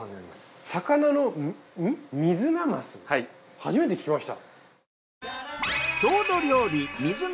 初めて聞きました。